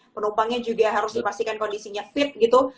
penumpangnya juga harus dipastikan kondisinya fit gitu